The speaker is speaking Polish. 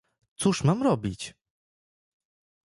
"cóż mam robić!"